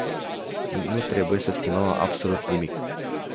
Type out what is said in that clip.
Nu trebuie să schimbăm absolut nimic.